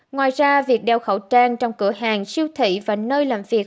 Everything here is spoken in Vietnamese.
ngoài ra việc đeo khẩu trang trong cửa hàng siêu thị và nơi làm việc